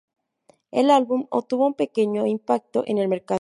El álbum tuvo un pequeño impacto en el mercado.